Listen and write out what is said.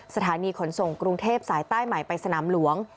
สถานีขนส่งกรุงเทพสายใต้ใหม่ไปสนามหลวง